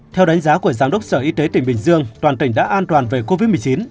theo đánh giá của giám đốc sở y tế tỉnh bình dương toàn tỉnh đã an toàn về covid một mươi chín